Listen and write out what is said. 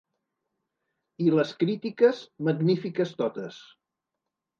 I les crítiques, magnífiques totes.